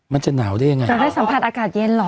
มันจะหนาวได้ยังไงจะได้สัมผัสอากาศเย็นเหรอ